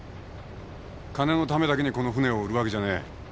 金のためだけにこの船を売るわけじゃねえ。